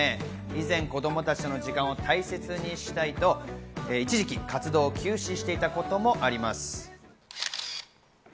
以前、子供たちとの時間を大切にしたいと、一時期活動を休止していたこともあります。